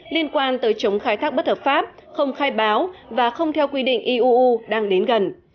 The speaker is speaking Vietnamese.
liên quan tới chống khai thác bất hợp pháp không khai báo và không theo quy định iuu đang đến gần